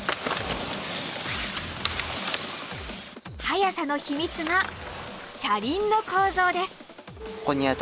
速さの秘密が車輪の構造です。